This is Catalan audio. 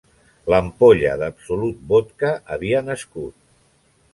L'ampolla d'Absolut Vodka havia nascut.